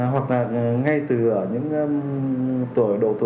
hoặc là ngay từ những độ tuổi rất là còn trẻ thôi